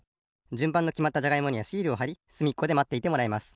じゅんばんがきまったじゃがいもにはシールをはりすみっこでまっていてもらいます。